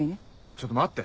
ちょっと待って。